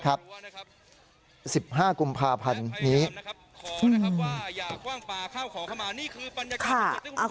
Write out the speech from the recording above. ขอนะครับว่าอย่ากว้างปลาเข้าขอขมานี่คือปัญญาการ